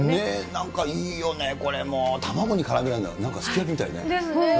なんかいいよね、これもう、卵にからめるの、なんかすき焼きみたいね。ですね。